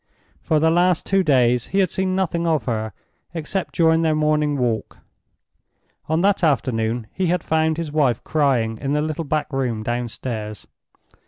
For the last two days he had seen nothing of her except during their morning walk. On that afternoon he had found his wife crying in the little backroom down stairs.